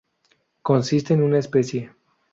Consiste en una especie.